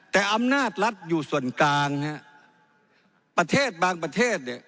แต่อำนาจรัฐอยู่ส่วนกลางฮะประเทศบางประเทศเนี่ย